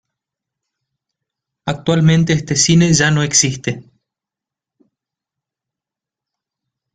Actualmente, este cine ya no existe.